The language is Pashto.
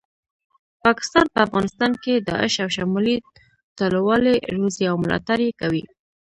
پاکستان په افغانستان کې داعش او شمالي ټلوالي روزي او ملاټړ یې کوي